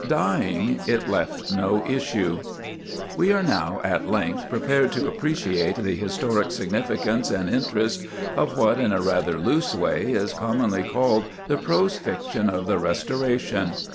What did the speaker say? We are now at length prepared to appreciate the historic significance and interest of what, in a rather loose way, is commonly called the prose fiction of the Restoration.